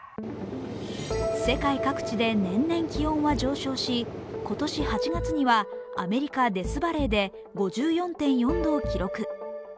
世界各地で年々気温は上昇し、今年８月にはアメリカデスバレーで５４．４度を記録。